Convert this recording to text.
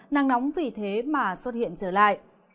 nắng nóng vì thế mà xuất hiện trở lại